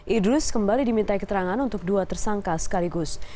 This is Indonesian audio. idrus kembali dimintai keterangan untuk dua tersangka sekaligus